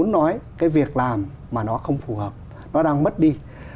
muốn nói cái việc làm mà nó không phù hợp nó đang mất đi